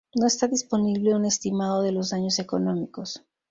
No está disponible un estimado de los daños económicos.